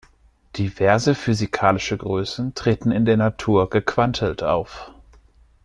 Diverse physikalische Größen treten in der Natur gequantelt auf.